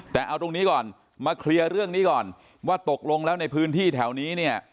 แต่เอาตรงนี้ก่อนมาเคลียร์เรื่องนี้ก่อนว่าตกลงแล้วในพื้นที่แถวนี้เนี่ย